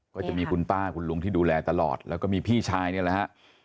ก็จะมีคุณป้าคุณลุงที่ดูแลตลอดแล้วก็มีพี่ชายนี่แหละฮะ